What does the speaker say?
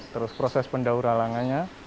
terus proses pendahulangannya